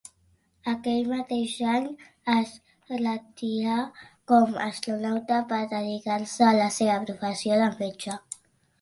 Aquell mateix any es retirà com astronauta per dedicar-se a la seva professió de metge.